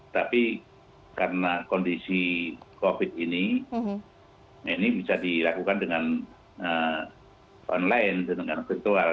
tapi karena kondisi covid ini ini bisa dilakukan dengan online dengan virtual